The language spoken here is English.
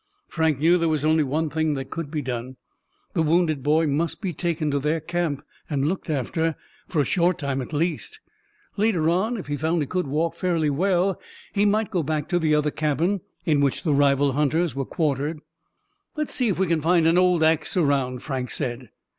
Frank knew there was only one thing that could be done: the wounded boy must be taken to their camp and looked after, for a short time at least. Later on, if he found he could walk fairly well, he might go back to the other cabin in which the rival hunters were quartered. "Let's see if we can find an old ax around," Frank said.